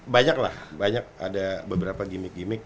banyak lah banyak ada beberapa gimmick gimmick